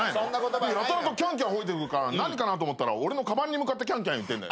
やたらとキャンキャン吠えてくるから何かなと思ったら俺のかばんに向かってキャンキャンいってんだ。